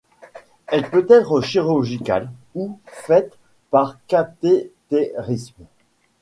Elle peut être chirurgicale ou faite par cathétérisme.